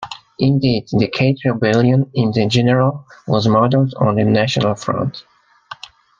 Indeed, the Cade rebellion in general was modelled on the National Front.